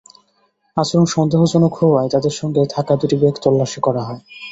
আচরণ সন্দেহজনক হওয়ায় তাঁদের সঙ্গে থাকা দুটি ব্যাগ তল্লাশি করা হয়।